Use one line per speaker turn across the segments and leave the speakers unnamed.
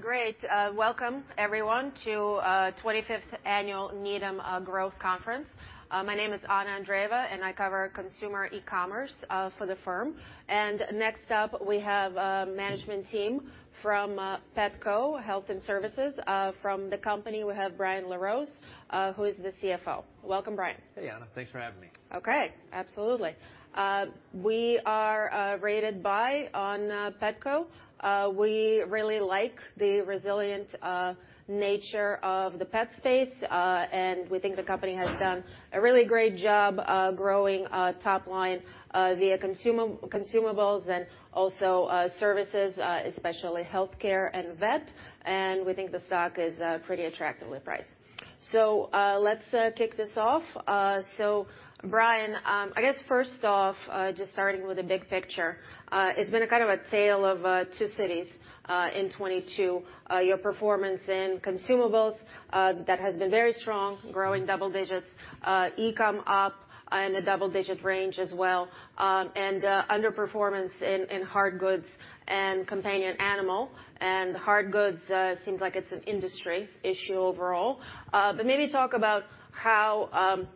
Great. Welcome everyone to the 25th Annual Needham Growth Conference. My name is Anna Andreeva, I cover consumer e-commerce for the firm. Next up, we have management team from Petco Health and Services. From the company, we have Brian LaRose, who is the CFO. Welcome, Brian.
Hey, Anna. Thanks for having me.
Okay, absolutely. We are rated buy on Petco. We really like the resilient nature of the pet space. We think the company has done a really great job growing top line via consumables and also services, especially healthcare and vet. We think the stock is pretty attractively priced. Let's kick this off. Brian, I guess first off, just starting with the big picture, it's been a kind of a tale of two cities in 2022. Your performance in consumables that has been very strong, growing double digits, e-com up in the double-digit range as well, and underperformance in hard goods and companion animal. Hard goods seems like it's an industry issue overall. Maybe talk about how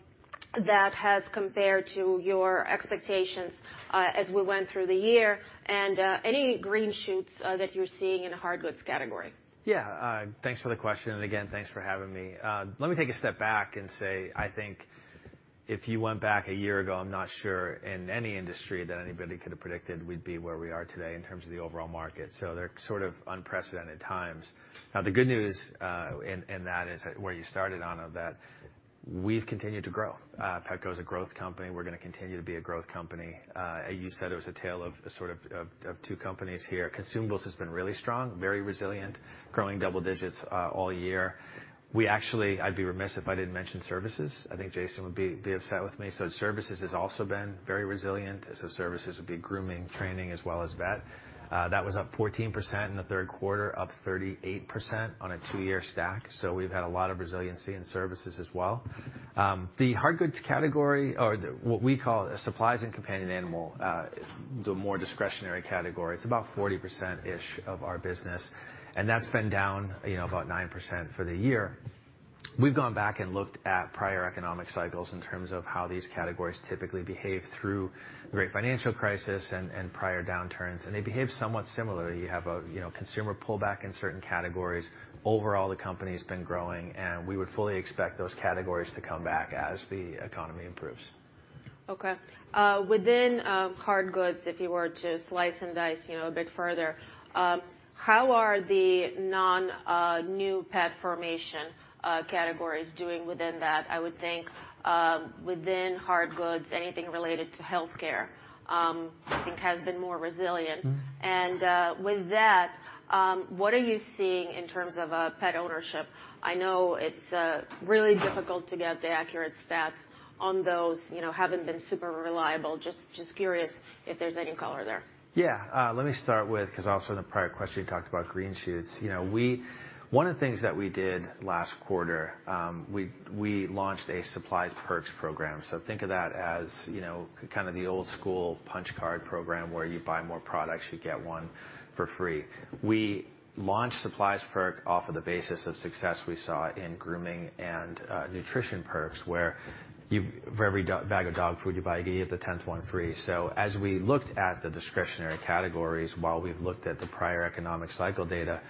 that has compared to your expectations, as we went through the year, any green shoots that you're seeing in the hard goods category.
Yeah. Thanks for the question. Again, thanks for having me. Let me take a step back and say, I think if you went back a year ago, I'm not sure in any industry that anybody could have predicted we'd be where we are today in terms of the overall market. They're sort of unprecedented times. Now, the good news in that is where you started, Anna, that we've continued to grow. Petco is a growth company. We're gonna continue to be a growth company. You said it was a tale of sort of, of two companies here. Consumables has been really strong, very resilient, growing double digits all year. We actually, I'd be remiss if I didn't mention services. I think Jason would be upset with me. Services has also been very resilient, services would be grooming, training, as well as Vetco. That was up 14% in the third quarter, up 38% on a two-year stack. We've had a lot of resiliency in services as well. The hard goods category or what we call supplies and companion animal, the more discretionary category. It's about 40%-ish of our business, and that's been down, you know, about 9% for the year. We've gone back and looked at prior economic cycles in terms of how these categories typically behave through the great financial crisis and prior downturns. They behave somewhat similarly. You have, you know, consumer pullback in certain categories. Overall, the company's been growing, we would fully expect those categories to come back as the economy improves.
Okay. Within hard goods, if you were to slice and dice, you know, a bit further, how are the non new pet formation categories doing within that? I would think within hard goods, anything related to healthcare, I think has been more resilient.
Mm-hmm.
With that, what are you seeing in terms of pet ownership? I know it's really difficult to get the accurate stats on those, you know, haven't been super reliable. Just curious if there's any color there?
Yeah. 'Cause also in the prior question, you talked about green shoots. You know, one of the things that we did last quarter, we launched a supplies perks program. Think of that as, you know, kind of the old school punch card program where you buy more products, you get one for free. We launched supplies perks off of the basis of success we saw in grooming perks and nutrition perks, where for every bag of dog food you buy, you get the 10th one free. As we looked at the discretionary categories while we've looked at the prior economic cycle data,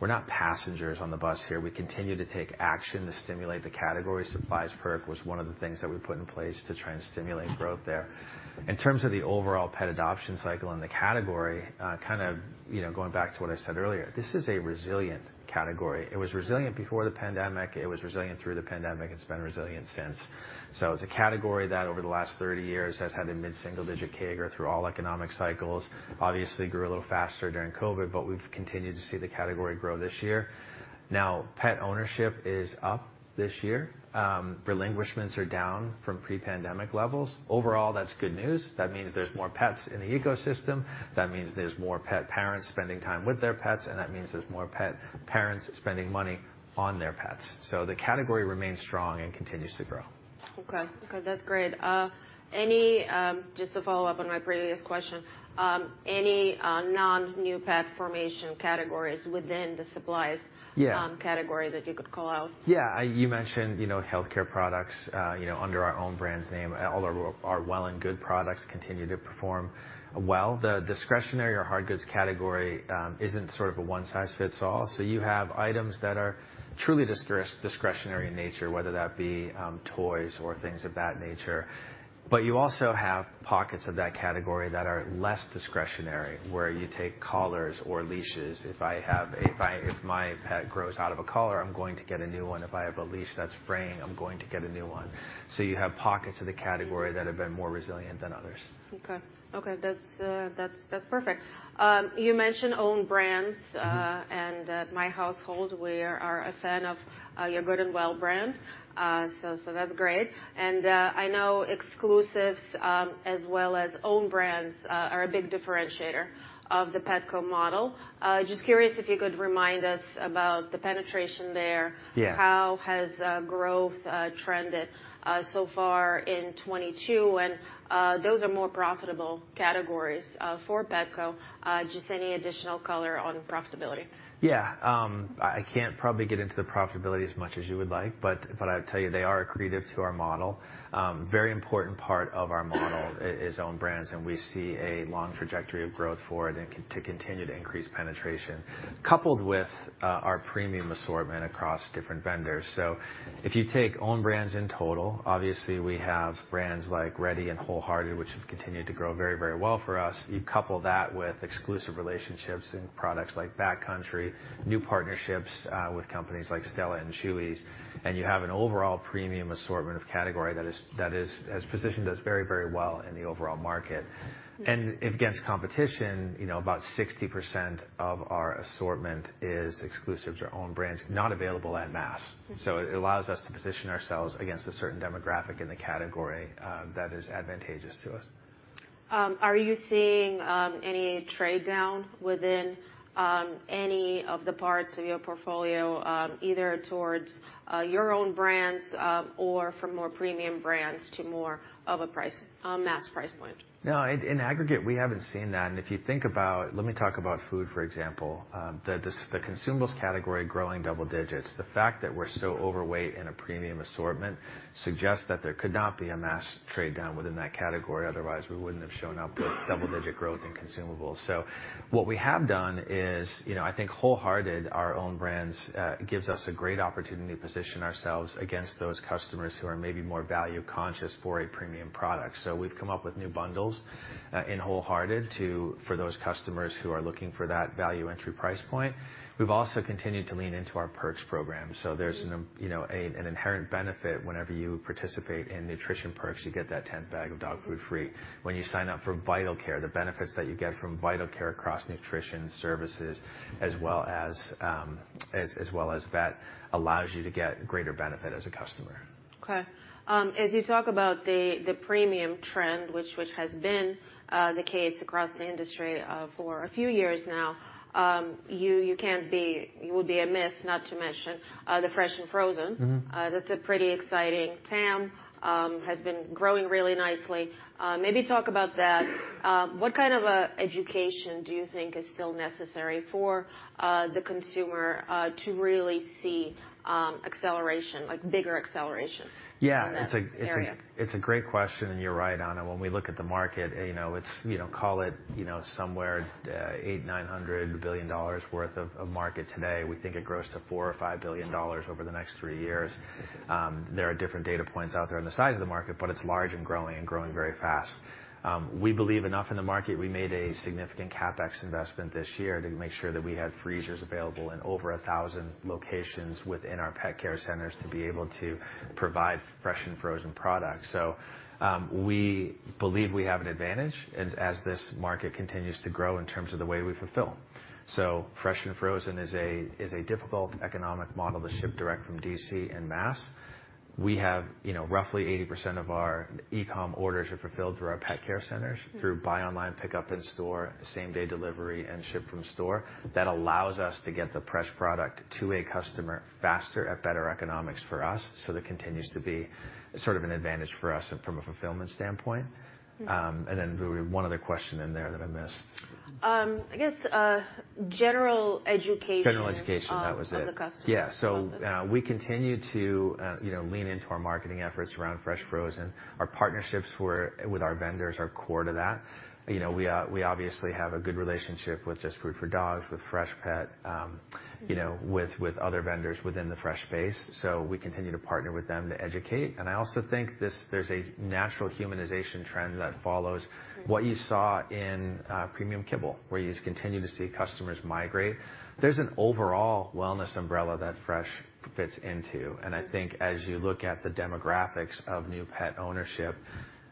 we're not passengers on the bus here. We continue to take action to stimulate the category. Supplies perks was one of the things that we put in place to try and stimulate growth there. In terms of the overall pet adoption cycle in the category, kind of, you know, going back to what I said earlier, this is a resilient category. It was resilient before the pandemic. It was resilient through the pandemic. It's been resilient since. It's a category that over the last 30 years has had a mid-single-digit CAGR through all economic cycles. Obviously grew a little faster during COVID, but we've continued to see the category grow this year. Pet ownership is up this year. Relinquishments are down from pre-pandemic levels. Overall, that's good news. That means there's more pets in the ecosystem. That means there's more pet parents spending time with their pets, and that means there's more pet parents spending money on their pets. The category remains strong and continues to grow.
Okay. Okay, that's great. Any, just to follow up on my previous question, any non-new pet formation categories within the supplies-
Yeah.
category that you could call out?
Yeah. You mentioned, you know, healthcare products, you know, under our own brand's name. All our Well & Good products continue to perform well. The discretionary or hard goods category isn't sort of a one-size-fits-all. You have items that are truly discretionary in nature, whether that be toys or things of that nature. You also have pockets of that category that are less discretionary, where you take collars or leashes. If my pet grows out of a collar, I'm going to get a new one. If I have a leash that's fraying, I'm going to get a new one. You have pockets of the category that have been more resilient than others.
Okay. Okay. That's perfect. You mentioned own brands, at my household, we are a fan of your Well & Good brand. That's great. I know exclusives, as well as own brands, are a big differentiator of the Petco model. Just curious if you could remind us about the penetration there.
Yeah.
How has growth trended so far in 2022? Those are more profitable categories for Petco. Just any additional color on profitability?
Yeah. I can't probably get into the profitability as much as you would like, but I'll tell you, they are accretive to our model. Very important part of our model is own brands, we see a long trajectory of growth for it and to continue to increase penetration, coupled with our premium assortment across different vendors. If you take own brands in total, obviously we have brands like Reddy and WholeHearted, which have continued to grow very, very well for us. You couple that with exclusive relationships in products like Backcountry, new partnerships with companies like Stella & Chewy's, you have an overall premium assortment of category that is has positioned us very, very well in the overall market. Against competition, you know, about 60% of our assortment is exclusive to our own brands, not available at mass.
Mm-hmm.
It allows us to position ourselves against a certain demographic in the category, that is advantageous to us.
Are you seeing any trade down within any of the parts of your portfolio either towards your own brands or from more premium brands to more of a price, a mass price point?
No, in aggregate, we haven't seen that. If you think about, let me talk about food, for example. The consumables category growing double digits. The fact that we're so overweight in a premium assortment suggests that there could not be a mass trade down within that category, otherwise we wouldn't have shown up with double-digit growth in consumables. What we have done is, you know, I think WholeHearted, our own brands, gives us a great opportunity to position ourselves against those customers who are maybe more value-conscious for a premium product. We've come up with new bundles in Wholehearted for those customers who are looking for that value entry price point. We've also continued to lean into our perks program, so there's you know, an inherent benefit whenever you participate in nutrition perks. You get that 10th bag of dog food free. You sign up for Vital Care, the benefits that you get from Vital Care across nutrition services as well as well as vet allows you to get greater benefit as a customer.
Okay. As you talk about the premium trend, which has been the case across the industry, for a few years now, it would be remiss not to mention the fresh and frozen.
Mm-hmm.
That's a pretty exciting TAM. Has been growing really nicely. Maybe talk about that. What kind of education do you think is still necessary for the consumer to really see acceleration, like bigger acceleration?
Yeah.
-in that area?
It's a great question. You're right, Anna. When we look at the market, you know, it's, you know, call it, you know, somewhere, $800 billion-$900 billion worth of market today. We think it grows to $4 billion-$5 billion over the next three years. There are different data points out there on the size of the market, but it's large and growing, and growing very fast. We believe enough in the market, we made a significant CapEx investment this year to make sure that we have freezers available in over 1,000 locations within our pet care centers to be able to provide fresh and frozen products. We believe we have an advantage as this market continues to grow in terms of the way we fulfill. Fresh and frozen is a difficult economic model to ship direct from DC and Mass. We have, you know, roughly 80% of our e-com orders are fulfilled through our pet care centers, through buy online, pickup in store, same-day delivery, and ship from store. That allows us to get the fresh product to a customer faster at better economics for us, there continues to be sort of an advantage for us from a fulfillment standpoint. We have one other question in there that I missed.
I guess, general education-
General education, that was it.
of the customer.
We continue to, you know, lean into our marketing efforts around fresh frozen. Our partnerships with our vendors are core to that. You know, we obviously have a good relationship with JustFoodForDogs, with Freshpet, you know, with other vendors within the fresh space, so we continue to partner with them to educate. I also think this, there's a natural humanization trend that follows what you saw in premium kibble, where you just continue to see customers migrate. There's an overall wellness umbrella that fresh fits into, and I think as you look at the demographics of new pet ownership,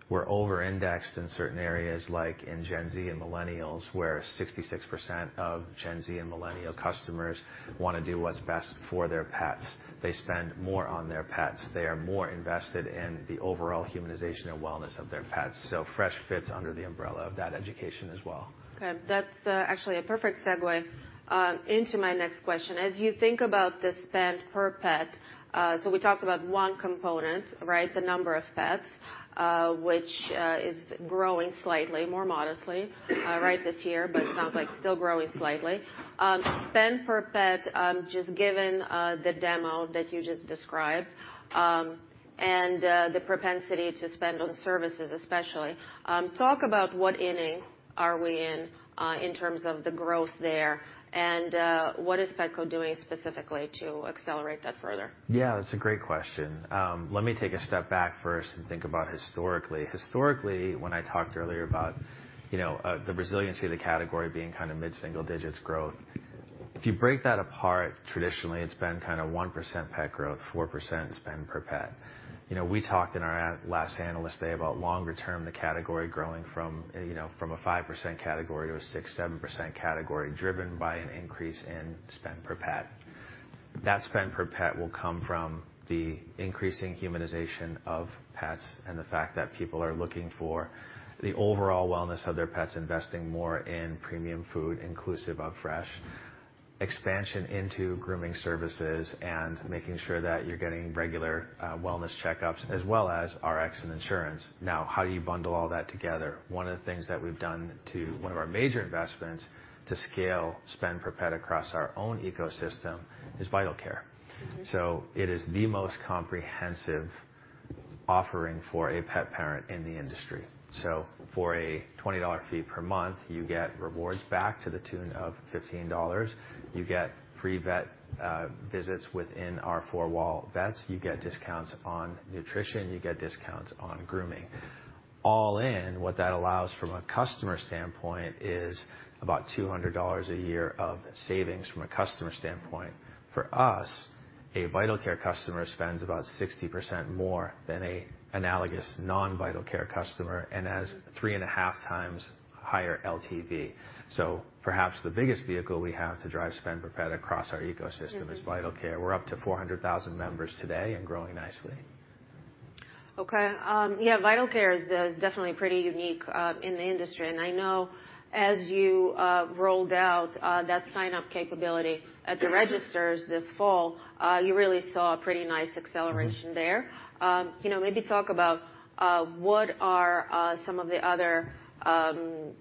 we're over-indexed in certain areas like in Gen Z and Millennials, where 66% of Gen Z and Millennial customers wanna do what's best for their pets. They spend more on their pets. They are more invested in the overall humanization and wellness of their pets. Fresh fits under the umbrella of that education as well.
Okay. That's actually a perfect segue into my next question. As you think about the spend per pet, so we talked about one component, right? The number of pets, which is growing slightly more modestly right this year, but it sounds like it's still growing slightly. Spend per pet, just given the demo that you just described, and the propensity to spend on services, especially, talk about what inning are we in in terms of the growth there, and what is Petco doing specifically to accelerate that further?
That's a great question. Let me take a step back first and think about historically. Historically, when I talked earlier about, you know, the resiliency of the category being kind of mid-single digits growth, if you break that apart, traditionally, it's been kind of 1% pet growth, 4% spend per pet. You know, we talked in our last Analyst Day about longer term, the category growing from, you know, from a 5% category to a 6%-7% category, driven by an increase in spend per pet. That spend per pet will come from the increasing humanization of pets and the fact that people are looking for the overall wellness of their pets, investing more in premium food, inclusive of fresh. Expansion into grooming services and making sure that you're getting regular, wellness checkups as well as RX and insurance. How do you bundle all that together? One of the things that we've done one of our major investments to scale spend per pet across our own ecosystem is Vital Care.
Mm-hmm.
It is the most comprehensive offering for a pet parent in the industry. For a $20 fee per month, you get rewards back to the tune of $15. You get free vet visits within our four-wall vets. You get discounts on nutrition. You get discounts on grooming. All in, what that allows from a customer standpoint is about $200 a year of savings from a customer standpoint. For us, a Vital Care customer spends about 60% more than a analogous non-Vital Care customer and has 3.5x higher LTV. Perhaps the biggest vehicle we have to drive spend per pet across our ecosystem-
Mm-hmm.
is Vital Care. We're up to 400,000 members today and growing nicely.
Okay. Yeah, Vital Care is definitely pretty unique in the industry, and I know as you rolled out that sign-up capability at the registers this fall, you really saw a pretty nice acceleration there. You know, maybe talk about what are some of the other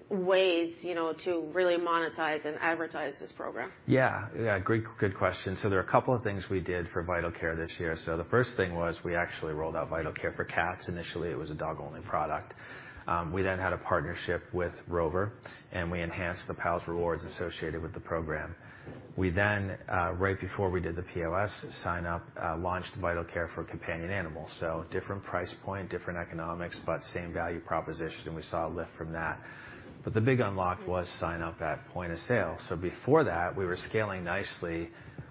ways, you know, to really monetize and advertise this program?
Yeah. Yeah, great, good question. There are a couple of things we did for Vital Care this year. The first thing was we actually rolled out Vital Care for cats. Initially, it was a dog-only product. We then had a partnership with Rover, and we enhanced the Pals Rewards associated with the program. We then, right before we did the POS sign-up, launched Vital Care for companion animals, so different price point, different economics, but same value proposition, and we saw a lift from that. The big unlock was sign up at point of sale. Before that, we were scaling nicely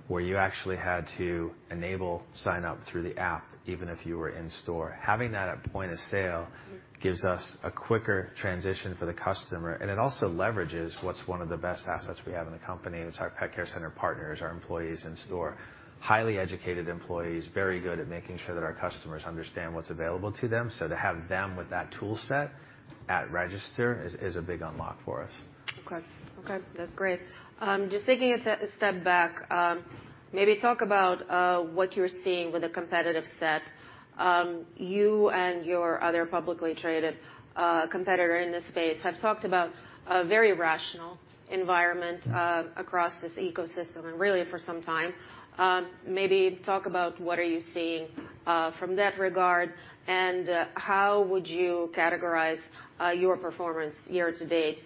where you actually had to enable sign-up through the app, even if you were in store. Having that at point of sale gives us a quicker transition for the customer. It also leverages what's one of the best assets we have in the company. It's our pet care center partners, our employees in store. Highly educated employees, very good at making sure that our customers understand what's available to them. To have them with that tool set at register is a big unlock for us.
Okay. Okay. That's great. Just taking a step, a step back, maybe talk about what you're seeing with a competitive set. You and your other publicly traded competitor in this space have talked about a very rational environment across this ecosystem and really for some time. Maybe talk about what are you seeing from that regard, and how would you categorize your performance year-to-date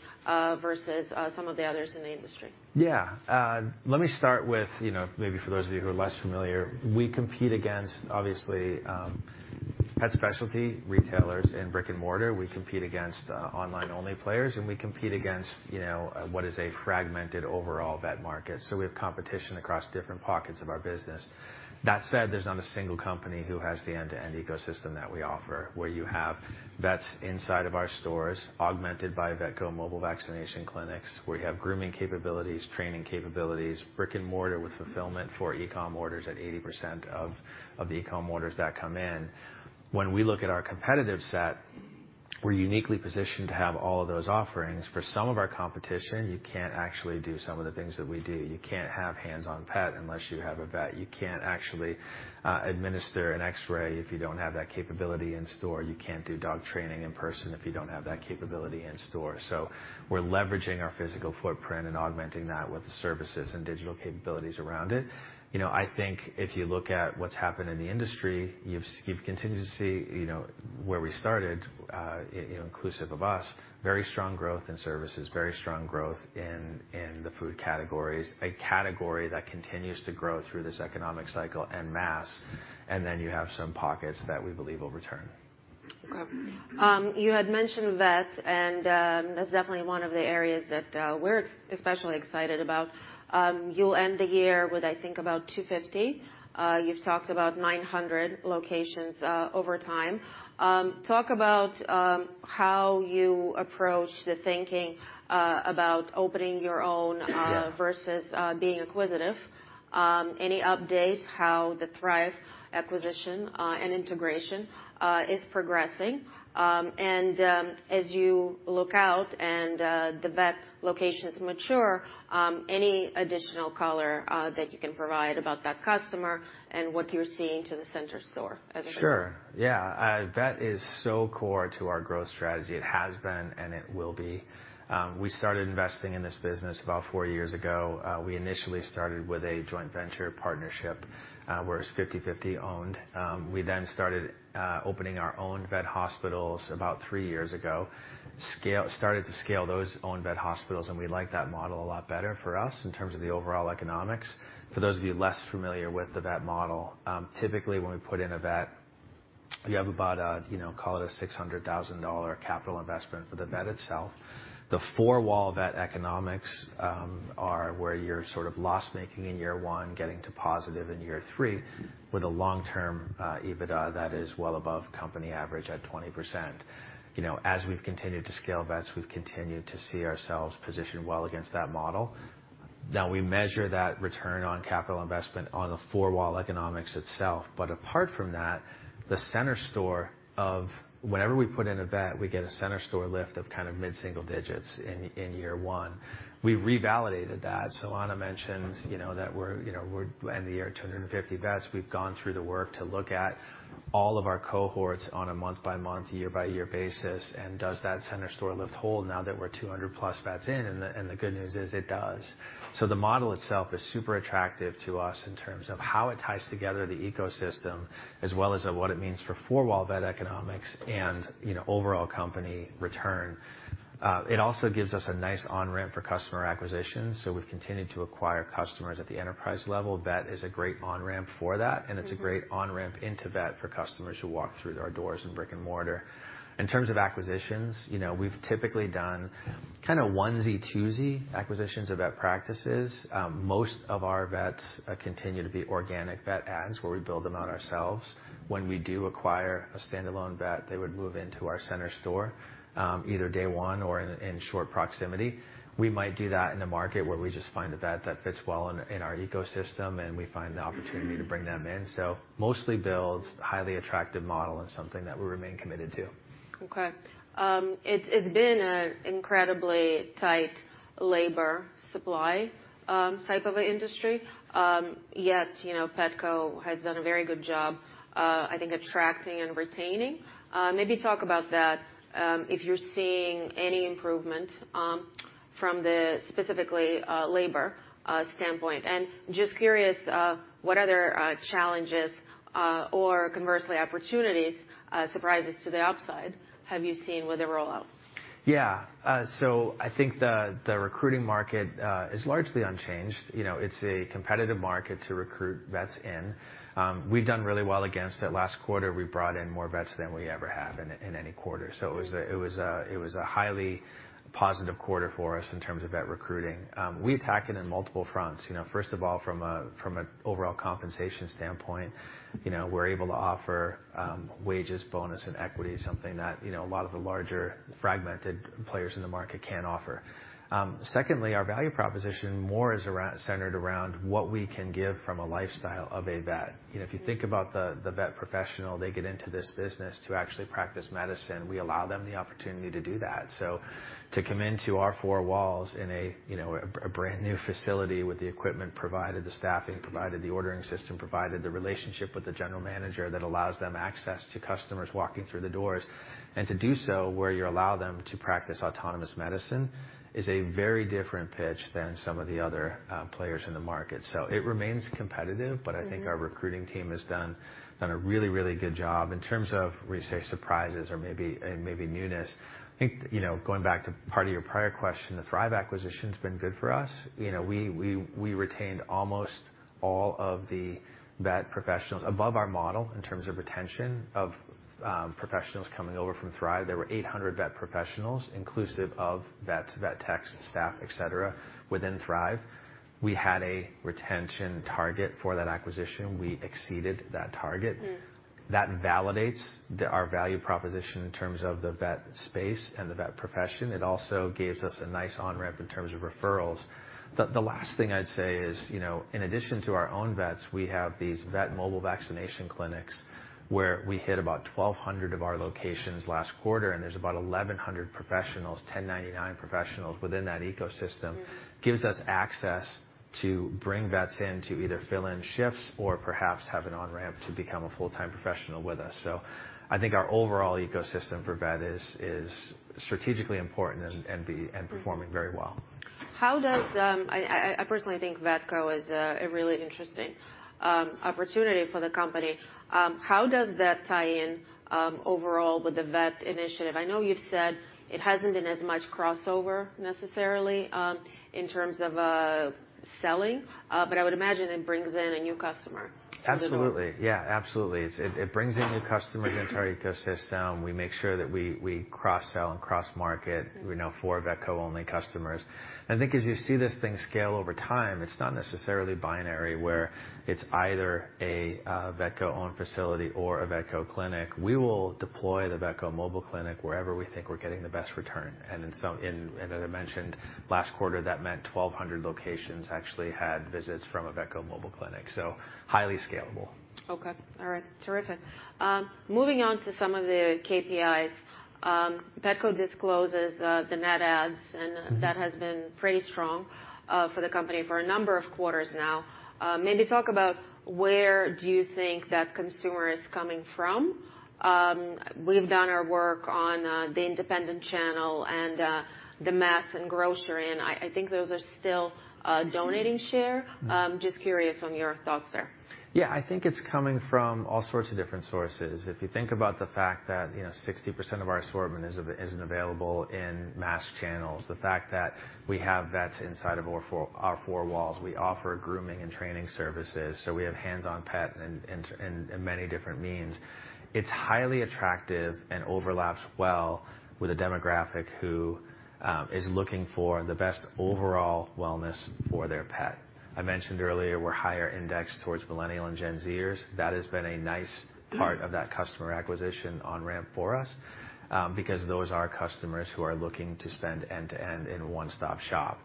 versus some of the others in the industry?
Yeah. Let me start with, you know, maybe for those of you who are less familiar, we compete against obviously, pet specialty retailers in brick-and-mortar. We compete against online-only players, and we compete against, you know, what is a fragmented overall vet market. We have competition across different pockets of our business. That said, there's not a single company who has the end-to-end ecosystem that we offer, where you have vets inside of our stores, augmented by Vetco mobile vaccination clinics, where you have grooming capabilities, training capabilities, brick-and-mortar with fulfillment for e-com orders at 80% of the e-com orders that come in. When we look at our competitive set, we're uniquely positioned to have all of those offerings. For some of our competition, you can't actually do some of the things that we do. You can't have hands-on pet unless you have a vet. You can't actually administer an X-ray if you don't have that capability in store. You can't do dog training in person if you don't have that capability in store. We're leveraging our physical footprint and augmenting that with the services and digital capabilities around it. You know, I think if you look at what's happened in the industry, you've continued to see, you know, where we started, you know, inclusive of us, very strong growth in services, very strong growth in the food categories, a category that continues to grow through this economic cycle en masse, and then you have some pockets that we believe will return.
Okay. You had mentioned vet and that's definitely one of the areas that we're especially excited about. You'll end the year with, I think, about 250. You've talked about 900 locations over time. Talk about how you approach the thinking about opening your own -
Yeah.
versus being acquisitive. Any updates how the Thrive acquisition and integration is progressing? As you look out and the vet locations mature, any additional color that you can provide about that customer and what you're seeing to the center store as a result?
Sure, yeah. Vet is so core to our growth strategy. It has been, and it will be. We started investing in this business about four years ago. We initially started with a joint venture partnership, where it's 50/50 owned. We started opening our own vet hospitals about three years ago. Started to scale those own vet hospitals, we like that model a lot better for us in terms of the overall economics. For those of you less familiar with the vet model, typically, when we put in a vet, you have about a, you know, call it a $600,000 capital investment for the vet itself. The four-wall vet economics are where you're sort of loss-making in year one, getting to positive in year three with a long-term EBITDA that is well above company average at 20%. You know, as we've continued to scale vets, we've continued to see ourselves positioned well against that model. We measure that return on capital investment on the four-wall economics itself. Apart from that, the center store. Whenever we put in a vet, we get a center store lift of kind of mid-single digits in year one. We revalidated that. Anna mentioned, you know, that we're, you know, we're ending the year at 250 vets. We've gone through the work to look at all of our cohorts on a month-by-month, year-by-year basis, does that center store lift hold now that we're 200+ vets in? The good news is it does. The model itself is super attractive to us in terms of how it ties together the ecosystem, as well as what it means for four-wall vet economics and, you know, overall company return. It also gives us a nice on-ramp for customer acquisition, so we've continued to acquire customers at the enterprise level. Vet is a great on-ramp for that, and it's a great on-ramp into vet for customers who walk through our doors in brick-and-mortar. In terms of acquisitions, you know, we've typically done kinda onesie-twosie acquisitions of vet practices. Most of our vets continue to be organic vet adds, where we build them out ourselves. When we do acquire a standalone vet, they would move into our center store, either day one or in short proximity. We might do that in a market where we just find a vet that fits well in our ecosystem, and we find the opportunity to bring them in. Mostly builds, highly attractive model, and something that we remain committed to.
Okay. It's been an incredibly tight labor supply type of a industry. Yet, you know, Petco has done a very good job, I think attracting and retaining. Maybe talk about that, if you're seeing any improvement from the specifically labor standpoint. Just curious what other challenges or conversely opportunities, surprises to the upside have you seen with the rollout?
Yeah. I think the recruiting market is largely unchanged. You know, it's a competitive market to recruit vets in. We've done really well against it. Last quarter, we brought in more vets than we ever have in any quarter. It was a highly positive quarter for us in terms of vet recruiting. We attack it in multiple fronts. You know, first of all, from an overall compensation standpoint, you know, we're able to offer wages, bonus, and equity, something that, you know, a lot of the larger fragmented players in the market can't offer. Secondly, our value proposition more is centered around what we can give from a lifestyle of a vet. You know, if you think about the vet professional, they get into this business to actually practice medicine. We allow them the opportunity to do that. To come into our four walls in a, you know, a brand-new facility with the equipment provided, the staffing provided, the ordering system provided, the relationship with the general manager that allows them access to customers walking through the doors, and to do so where you allow them to practice autonomous medicine, is a very different pitch than some of the other players in the market. It remains competitive, but I think our recruiting team has done a really, really good job. In terms of where you say surprises or maybe newness, I think, you know, going back to part of your prior question, the Thrive acquisition's been good for us. You know, we retained almost all of the vet professionals above our model in terms of retention of professionals coming over from Thrive. There were 800 vet professionals inclusive of vets, vet techs, staff, et cetera, within Thrive. We had a retention target for that acquisition. We exceeded that target.
Mm.
That validates our value proposition in terms of the vet space and the vet profession. Also gives us a nice on-ramp in terms of referrals. The last thing I'd say is, you know, in addition to our own vets, we have these Vetco mobile vaccination clinics, where we hit about 1,200 of our locations last quarter, and there's about 1,100 professionals, 1099 professionals within that ecosystem.
Mm.
Gives us access to bring vets in to either fill in shifts or perhaps have an on-ramp to become a full-time professional with us. I think our overall ecosystem for vet is strategically important.
Mm-hmm.
Performing very well.
I personally think Vetco is a really interesting opportunity for the company. How does that tie in overall with the vet initiative? I know you've said it hasn't been as much crossover necessarily in terms of selling. I would imagine it brings in a new customer to the role.
Absolutely. Yeah, absolutely. It brings in new customers into our ecosystem. We make sure that we cross-sell and cross-market.
Mm-hmm.
We're now four Vetco-only customers. I think as you see this thing scale over time, it's not necessarily binary, where it's either a Vetco-owned facility or a Vetco clinic. We will deploy the Vetco mobile clinic wherever we think we're getting the best return. As I mentioned last quarter, that meant 1,200 locations actually had visits from a Vetco mobile clinic, so highly scalable.
Okay. All right. Terrific. Moving on to some of the KPIs, Petco discloses the net adds, and that has been pretty strong for the company for a number of quarters now. Maybe talk about where do you think that consumer is coming from? We've done our work on the independent channel and the mass and grocery, I think those are still donating share.
Mm-hmm.
Just curious on your thoughts there.
Yeah. I think it's coming from all sorts of different sources. If you think about the fact that, you know, 60% of our assortment isn't available in mass channels, the fact that we have vets inside of our four walls. We offer grooming and training services, so we have hands-on pet in many different means. It's highly attractive and overlaps well with a demographic who is looking for the best overall wellness for their pet. I mentioned earlier we're higher indexed towards Millennial and Gen Z-ers. That has been a nice part of that customer acquisition on-ramp for us, because those are customers who are looking to spend end-to-end in a one-stop shop.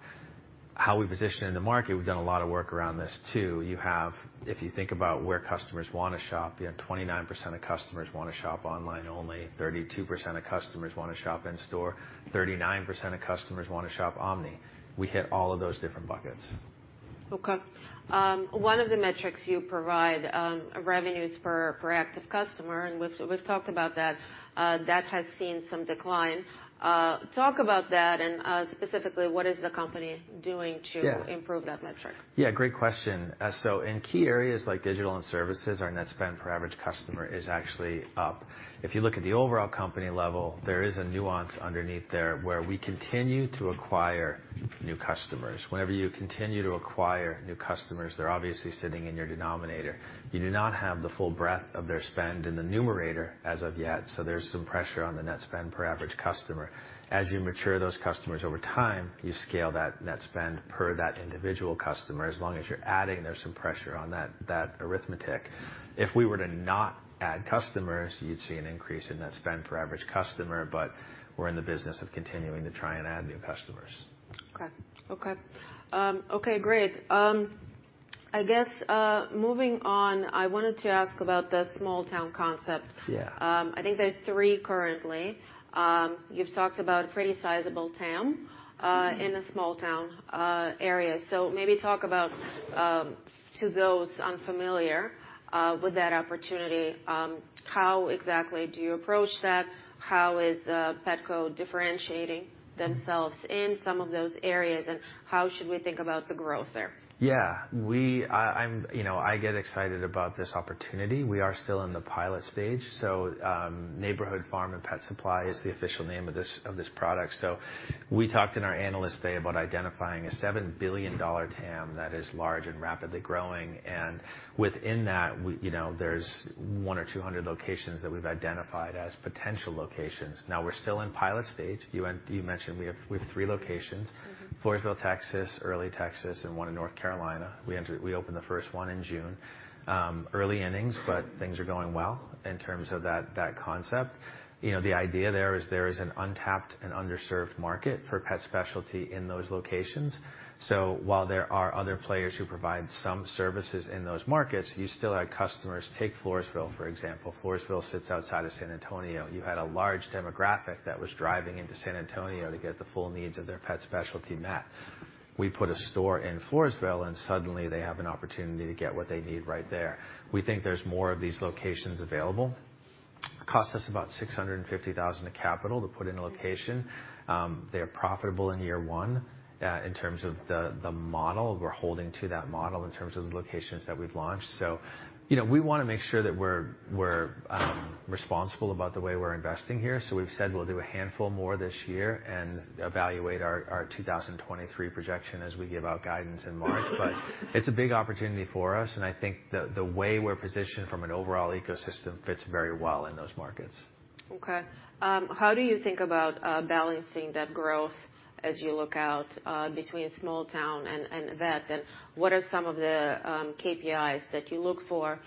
How we position in the market, we've done a lot of work around this too. You have... If you think about where customers wanna shop, you know, 29% of customers wanna shop online only. 32% of customers wanna shop in store. 39% of customers wanna shop omni. We hit all of those different buckets.
Okay. One of the metrics you provide, revenues for active customer, and we've talked about that has seen some decline. Talk about that and specifically, what is the company doing?
Yeah.
-improve that metric?
Yeah, great question. In key areas like digital and services, our net spend per average customer is actually up. If you look at the overall company level, there is a nuance underneath there, where we continue to acquire new customers. Whenever you continue to acquire new customers, they're obviously sitting in your denominator. You do not have the full breadth of their spend in the numerator as of yet, there's some pressure on the net spend per average customer. As you mature those customers over time, you scale that net spend per that individual customer. As long as you're adding, there's some pressure on that arithmetic. If we were to not add customers, you'd see an increase in net spend for average customer, we're in the business of continuing to try and add new customers.
Okay. Okay. Okay, great. I guess, moving on, I wanted to ask about the small town concept.
Yeah.
I think there are three currently. You've talked about pretty sizable TAM in the small town area. Maybe talk about to those unfamiliar with that opportunity, how exactly do you approach that? How is Petco differentiating themselves in some of those areas, and how should we think about the growth there?
Yeah. I'm, you know, I get excited about this opportunity. We are still in the pilot stage. Neighborhood Farm & Pet Supply is the official name of this product. We talked in our Analyst Day about identifying a $7 billion TAM that is large and rapidly growing. Within that, we, you know, there's 100 or 200 locations that we've identified as potential locations. Now, we're still in pilot stage. You mentioned we have three locations.
Mm-hmm.
Floresville, Texas, Early, Texas, and one in North Carolina. We opened the first one in June. Early innings, but things are going well in terms of that concept. You know, the idea there is there is an untapped and underserved market for pet specialty in those locations. While there are other players who provide some services in those markets, you still have customers. Take Floresville, for example. Floresville sits outside of San Antonio. You had a large demographic that was driving into San Antonio to get the full needs of their pet specialty met. We put a store in Floresville, and suddenly they have an opportunity to get what they need right there. We think there's more of these locations available. Cost us about $650,000 of capital to put in a location. They are profitable in year 1 in terms of the model. We're holding to that model in terms of the locations that we've launched. You know, we wanna make sure that we're responsible about the way we're investing here. We've said we'll do a handful more this year and evaluate our 2023 projection as we give out guidance in March. It's a big opportunity for us, and I think the way we're positioned from an overall ecosystem fits very well in those markets.
Okay. How do you think about balancing that growth as you look out between small town and vet? What are some of the KPIs that you look for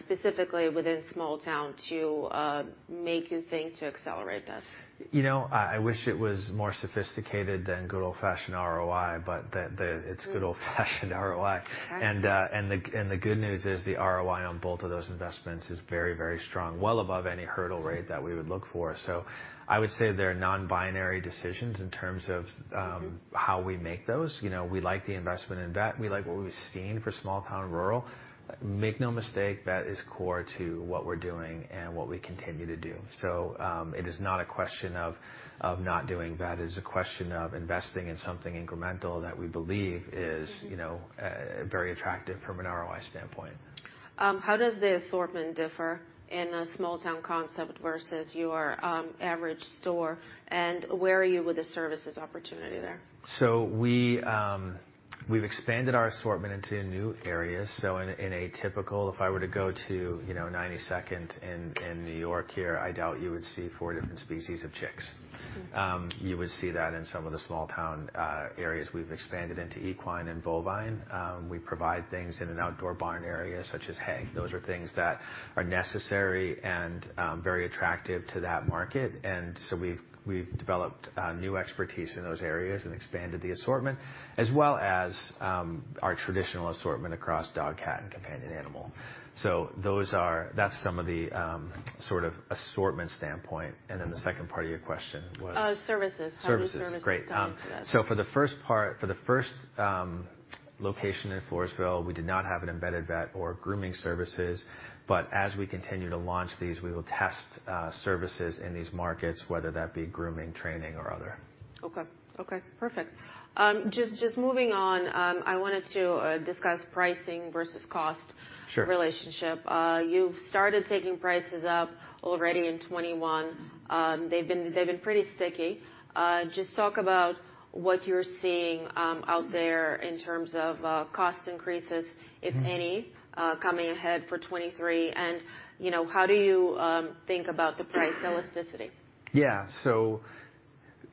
specifically within small town to make you think to accelerate this?
You know, I wish it was more sophisticated than good old-fashioned ROI. It's good old-fashioned ROI.
Okay.
The good news is the ROI on both of those investments is very, very strong, well above any hurdle rate that we would look for. I would say they're non-binary decisions in terms of-
Mm-hmm
how we make those. You know, we like the investment in vet. We like what we've seen for small town rural. Make no mistake, that is core to what we're doing and what we continue to do. It is not a question of not doing that. It is a question of investing in something incremental that we believe is-
Mm-hmm
you know, very attractive from an ROI standpoint.
How does the assortment differ in a small town concept versus your average store, and where are you with the services opportunity there?
We've expanded our assortment into new areas. In a typical, if I were to go to, you know, 92nd Street in New York here, I doubt you would see four different species of chicks.
Mm-hmm.
You would see that in some of the small town areas. We've expanded into equine and bovine. We provide things in an outdoor barn area such as hay. Those are things that are necessary and very attractive to that market. We've, we've developed new expertise in those areas and expanded the assortment, as well as our traditional assortment across dog, cat, and companion animal. That's some of the sort of assortment standpoint. The second part of your question was?
Services.
Services.
How do services come into that?
Great. For the first part, for the first location in Floresville, we did not have an embedded vet or grooming services, but as we continue to launch these, we will test services in these markets, whether that be grooming, training, or other.
Okay. Okay, perfect. Just moving on, I wanted to discuss pricing versus cost-
Sure
relationship. You've started taking prices up already in 2021. They've been pretty sticky. Just talk about what you're seeing out there in terms of cost increases?
Mm-hmm
If any, coming ahead for 2023. You know, how do you think about the price elasticity?
Yeah.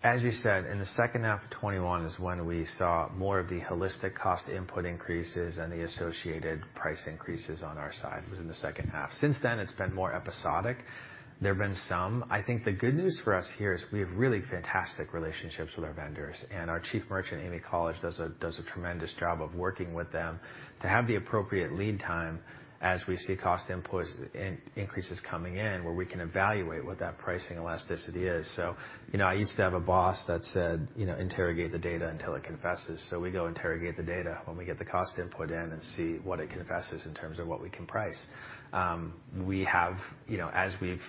As you said, in the second half of 2021 is when we saw more of the holistic cost input increases and the associated price increases on our side was in the second half. Since then, it's been more episodic. There have been some. I think the good news for us here is we have really fantastic relationships with our vendors, our Chief Merchant, Amy College, does a tremendous job of working with them to have the appropriate lead time as we see cost input increases coming in, where we can evaluate what that pricing elasticity is. You know, I used to have a boss that said, you know, "Interrogate the data until it confesses." We go interrogate the data when we get the cost input in and see what it confesses in terms of what we can price. We have. You know, as we've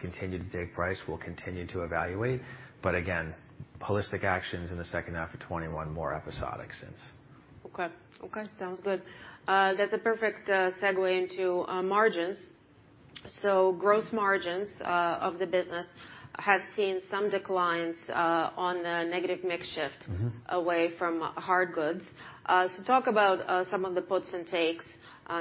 continued to take price, we'll continue to evaluate. Again, holistic actions in the second half of 2021, more episodic since.
Okay. Okay, sounds good. That's a perfect segue into margins. Gross margins of the business have seen some declines on the negative mix shift-
Mm-hmm.
away from hard goods. Talk about some of the puts and takes,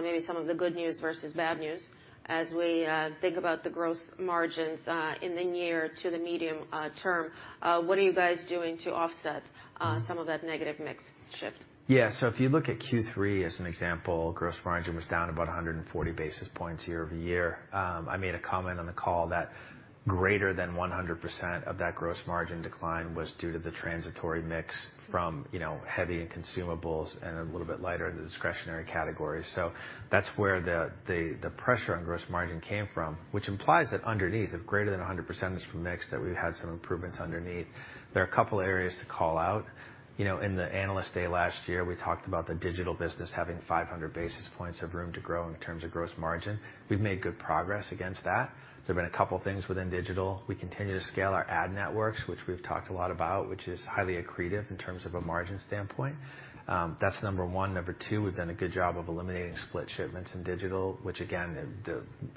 maybe some of the good news versus bad news as we think about the gross margins in the near to the medium term. What are you guys doing to offset some of that negative mix shift?
Yeah. If you look at Q3 as an example, gross margin was down about 140 basis points year-over-year. I made a comment on the call that greater than 100% of that gross margin decline was due to the transitory mix from, you know, heavy and consumables and a little bit lighter in the discretionary category. That's where the pressure on gross margin came from, which implies that underneath, if greater than 100% is from mix, that we've had some improvements underneath. There are a couple areas to call out. You know, in the analyst day last year, we talked about the digital business having 500 basis points of room to grow in terms of gross margin. We've made good progress against that. There've been a couple things within digital. We continue to scale our ad networks, which we've talked a lot about, which is highly accretive in terms of a margin standpoint. That's number one. Number two, we've done a good job of eliminating split shipments in digital, which again,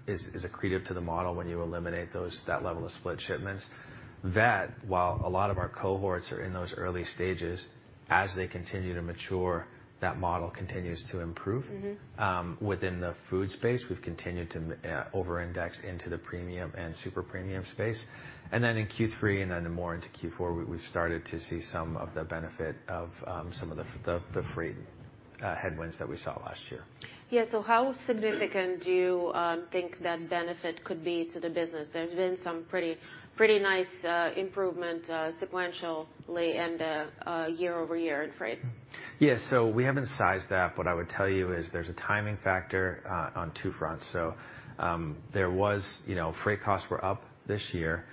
is accretive to the model when you eliminate those, that level of split shipments. That, while a lot of our cohorts are in those early stages, as they continue to mature, that model continues to improve.
Mm-hmm.
Within the food space, we've continued to over-index into the premium and super premium space. In Q3, and then more into Q4, we've started to see some of the benefit of some of the freight headwinds that we saw last year.
Yeah. How significant do you think that benefit could be to the business? There have been some pretty nice improvement sequentially and year-over-year in freight.
We haven't sized that. What I would tell you is there's a timing factor on two fronts. There was, you know, freight costs were up this year.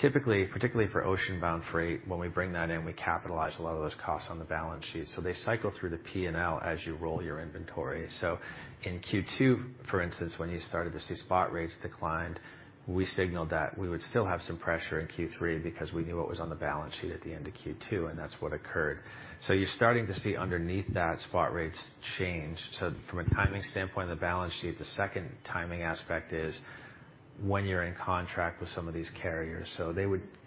Typically, particularly for ocean-bound freight, when we bring that in, we capitalize a lot of those costs on the balance sheet. They cycle through the P&L as you roll your inventory. In Q2, for instance, when you started to see spot rates declined, we signaled that we would still have some pressure in Q3 because we knew what was on the balance sheet at the end of Q2, and that's what occurred. You're starting to see underneath that spot rates change. From a timing standpoint, the balance sheet, the second timing aspect is when you're in contract with some of these carriers.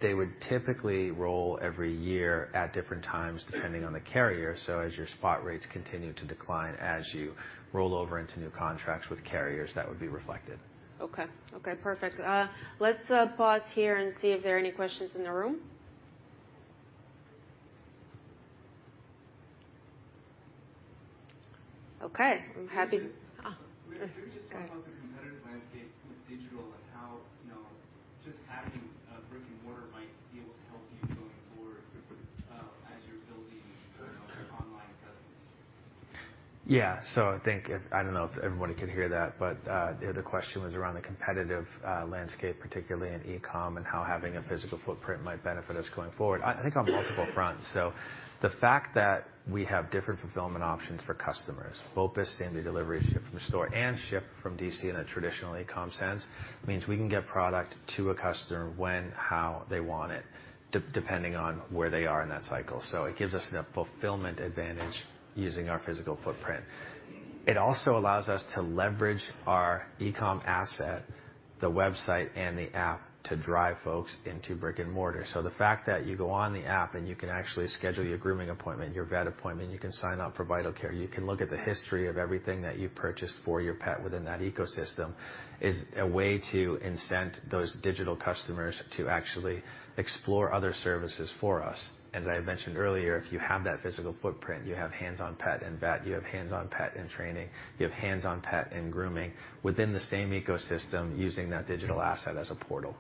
They would typically roll every year at different times, depending on the carrier. As your spot rates continue to decline, as you roll over into new contracts with carriers, that would be reflected.
Okay. Okay, perfect. Let's pause here and see if there are any questions in the room. Okay. I'm happy.
Can we just talk about the competitive landscape with digital and how, you know, just having brick-and-mortar might be able to help you going forward with as you're building, you know, your online presence?
Yeah. I think I don't know if everybody could hear that, but the other question was around the competitive landscape, particularly in e-com and how having a physical footprint might benefit us going forward. I think on multiple fronts. The fact that we have different fulfillment options for customers, BOPIS, same-day delivery, ship from store, and ship from DC in a traditional e-com sense, means we can get product to a customer when, how they want it depending on where they are in that cycle. It gives us the fulfillment advantage using our physical footprint. It also allows us to leverage our e-com asset, the website, and the app to drive folks into brick and mortar. The fact that you go on the app, and you can actually schedule your grooming appointment, your vet appointment, you can sign up for Vital Care, you can look at the history of everything that you purchased for your pet within that ecosystem, is a way to incent those digital customers to actually explore other services for us. As I had mentioned earlier, if you have that physical footprint, you have hands-on pet and vet, you have hands-on pet and training, you have hands-on pet and grooming within the same ecosystem using that digital asset as a portal.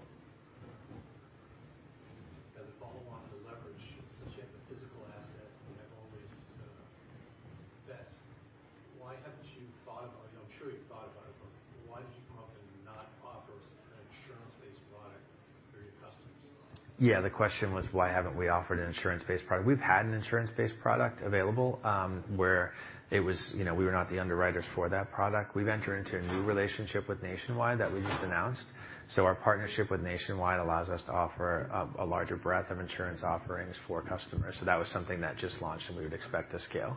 As a follow on to leverage, since you have the physical asset and have all these, vets, you know, I'm sure you've thought about it, but why did you come up and not offer an insurance-based product for your customers?
Yeah. The question was why haven't we offered an insurance-based product? We've had an insurance-based product available, you know, where it was, we were not the underwriters for that product. We've entered into a new relationship with Nationwide that we just announced. Our partnership with Nationwide allows us to offer a larger breadth of insurance offerings for customers. That was something that just launched, and we would expect to scale.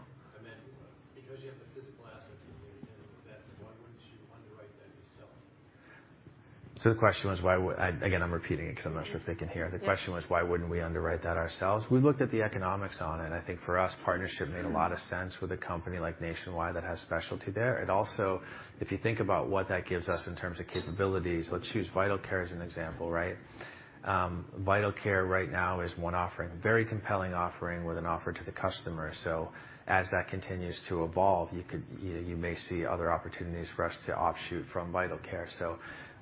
Because you have the physical assets and you have the vets, why wouldn't you underwrite that yourself?
The question was why would. I again, I'm repeating it 'cause I'm not sure if they can hear.
Yeah.
The question was why wouldn't we underwrite that ourselves? We looked at the economics on it. I think for us, partnership made a lot of sense with a company like Nationwide that has specialty there. It also, if you think about what that gives us in terms of capabilities, let's use Vital Care as an example, right? Vital Care right now is one offering, very compelling offering with an offer to the customer. As that continues to evolve, you could, you know, you may see other opportunities for us to offshoot from Vital Care.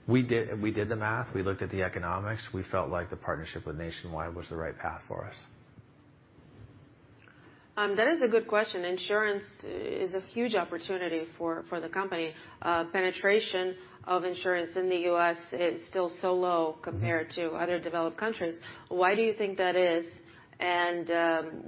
We did the math. We looked at the economics. We felt like the partnership with Nationwide was the right path for us.
That is a good question. Insurance is a huge opportunity for the company. Penetration of insurance in the U.S. is still so low compared to other developed countries. Why do you think that is, and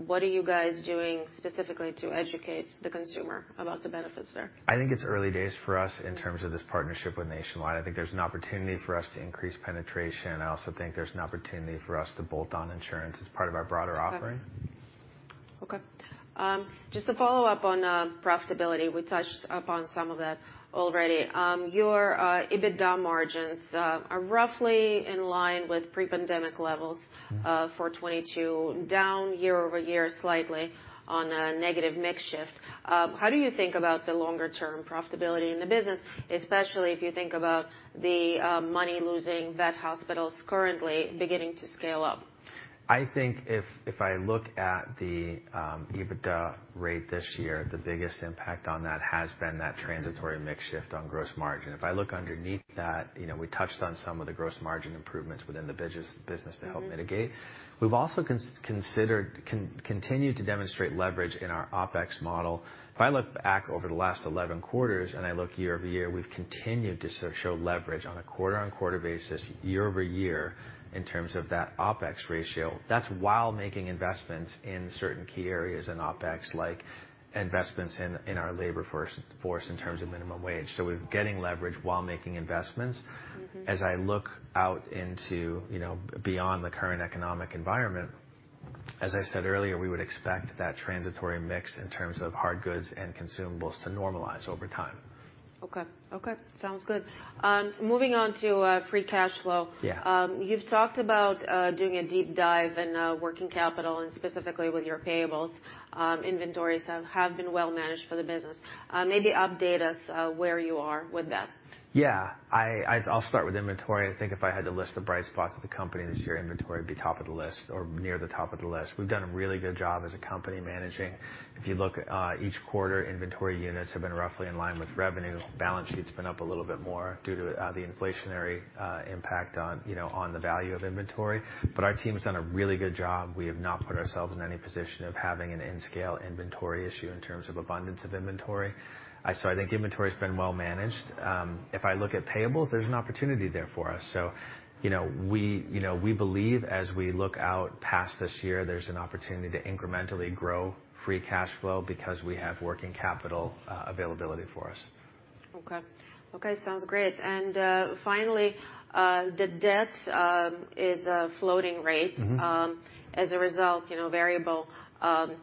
what are you guys doing specifically to educate the consumer about the benefits there?
I think it's early days for us in terms of this partnership with Nationwide. I think there's an opportunity for us to increase penetration. I also think there's an opportunity for us to bolt on insurance as part of our broader offering.
Okay. Just to follow up on profitability, we touched upon some of that already. Your EBITDA margins are roughly in line with pre-pandemic levels for 2022, down year-over-year slightly on a negative mix shift. How do you think about the longer-term profitability in the business, especially if you think about the money-losing vet hospitals currently beginning to scale up?
I think if I look at the EBITDA rate this year, the biggest impact on that has been that transitory mix shift on gross margin. If I look underneath that, you know, we touched on some of the gross margin improvements within the business to help mitigate. We've also continued to demonstrate leverage in our OpEx model. If I look back over the last 11 quarters, and I look year-over-year, we've continued to show leverage on a quarter-on-quarter basis year-over-year in terms of that OpEx ratio. That's while making investments in certain key areas in OpEx, like investments in our labor force in terms of minimum wage. We're getting leverage while making investments.
Mm-hmm.
As I look out into, you know, beyond the current economic environment, as I said earlier, we would expect that transitory mix in terms of hard goods and consumables to normalize over time.
Okay. Okay, sounds good. Moving on to free cash flow.
Yeah.
You've talked about doing a deep dive in working capital and specifically with your payables. Inventories have been well managed for the business. Maybe update us where you are with that.
Yeah. I'll start with inventory. I think if I had to list the bright spots of the company this year, inventory would be top of the list or near the top of the list. We've done a really good job as a company managing. If you look, each quarter, inventory units have been roughly in line with revenue. Balance sheet's been up a little bit more due to the inflationary impact on, you know, on the value of inventory. Our team has done a really good job. We have not put ourselves in any position of having an in-scale inventory issue in terms of abundance of inventory. I think the inventory's been well managed. If I look at payables, there's an opportunity there for us. You know, we, you know, we believe as we look out past this year, there's an opportunity to incrementally grow free cash flow because we have working capital, availability for us.
Okay. Okay, sounds great. Finally, the debt is a floating rate.
Mm-hmm.
As a result, you know, variable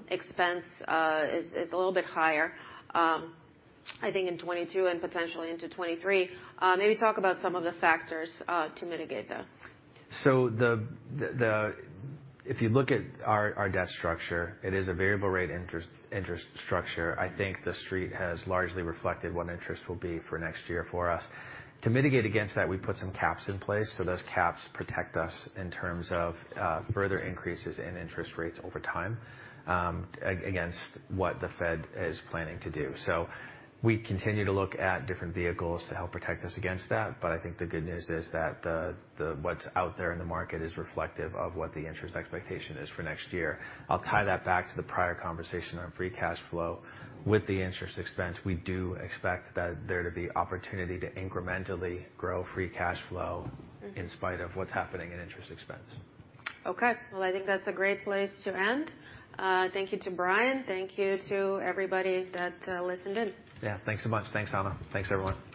expense is a little bit higher, I think in 2022 and potentially into 2023. Maybe talk about some of the factors to mitigate that.
If you look at our debt structure, it is a variable rate interest structure. I think the Street has largely reflected what interest will be for next year for us. To mitigate against that, we put some caps in place, so those caps protect us in terms of further increases in interest rates over time against what the Fed is planning to do. We continue to look at different vehicles to help protect us against that. I think the good news is that what's out there in the market is reflective of what the interest expectation is for next year. I'll tie that back to the prior conversation on free cash flow. With the interest expense, we do expect that there to be opportunity to incrementally grow free cash flow in spite of what's happening in interest expense.
Okay. Well, I think that's a great place to end. Thank you to Brian. Thank you to everybody that listened in.
Yeah. Thanks so much. Thanks, Anna. Thanks, everyone.